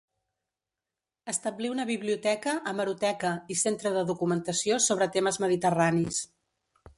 Establir una biblioteca, hemeroteca i centre de documentació sobre temes mediterranis.